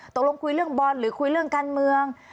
ตกลงคุยเรื่องบอลหรือคุยเรื่องการเมือง